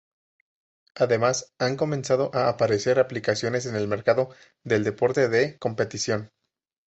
Además, han comenzado a aparecer aplicaciones en el mercado del deporte de competición.